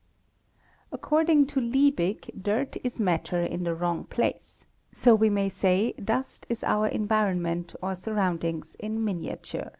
AM _ According to Liebeg, dirt is matter in the wrong place; so we may say dust is our environment or surroundings in miniature.